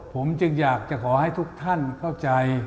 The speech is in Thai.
ผมจึงอยากจะขอให้ทุกท่านเข้าใจ